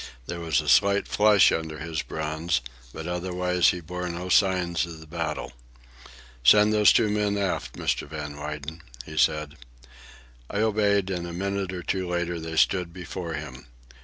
There was a slight flush under his bronze, but otherwise he bore no signs of the battle. "Send those two men aft, Mr. Van Weyden," he said. I obeyed, and a minute or two later they stood before him.